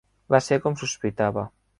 Va ser com sospitava.